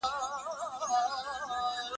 د باغ رګ کې و په منډه